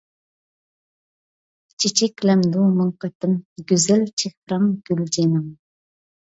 چېچەكلەمدۇ مىڭ قېتىم، گۈزەل چېھرىڭ، گۈل جېنىڭ.